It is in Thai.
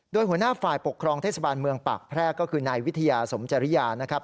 โดยหัวหน้าฝ่ายปกครองเทศบาลเมืองปากแพรกก็คือนายวิทยาสมจริยานะครับ